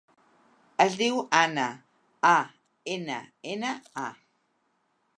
Es diu Anna: a, ena, ena, a.